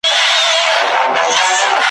جهاني در څخه ولاړم پر جانان مي سلام وایه `